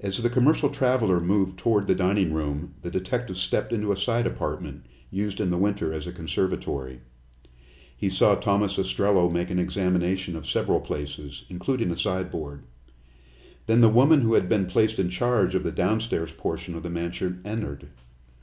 As the commercial traveler moved toward the dining room, the detective stepped into a side apartment, used in the winter as a conservatory. He saw Thomas Ostrello make an examination of several places, including a sideboard. Then the woman who had been placed in charge of the downstairs portion of the mansion entered.